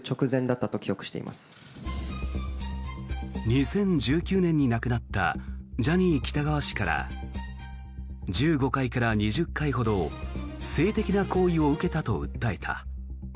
２０１９年に亡くなったジャニー喜多川氏から１５回から２０回ほど性的な行為を受けたと訴えた。